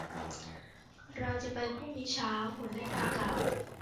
เราจะไปพรุ่งนี้เช้า หุ่นไล่กากล่าว